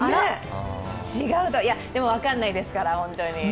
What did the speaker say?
でも、分からないですから、本当に。